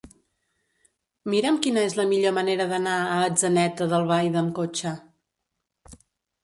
Mira'm quina és la millor manera d'anar a Atzeneta d'Albaida amb cotxe.